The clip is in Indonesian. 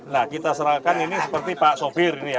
nah kita serahkan ini seperti pak sobir